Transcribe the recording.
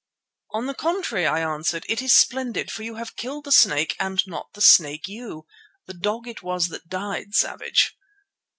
"On the contrary," I answered, "it is splendid, for you have killed the snake and not the snake you. 'The dog it was that died,' Savage."